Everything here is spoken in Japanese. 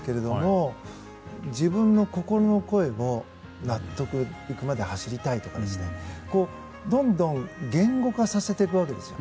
自分の心の声を納得いくまで走りたいとかどんどん言語化させていくわけです。